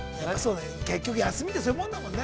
◆結局休みって、そういうもんだよね。